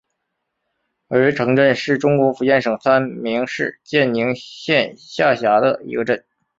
濉城镇是中国福建省三明市建宁县下辖的一个镇。